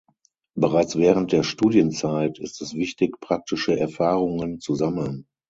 Bereits während der Studienzeit ist es wichtig, praktische Erfahrungen zu sammeln.